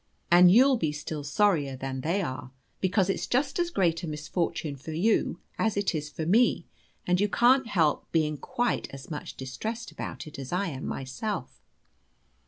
And you'll be still sorrier than they are, because it's just as great a misfortune for you as it is for me, and you can't help being quite as much distressed about it as I am myself.